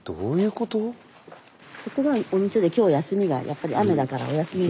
ここがお店で今日休みがやっぱり雨だからお休みが多い。